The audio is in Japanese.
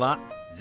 「０」。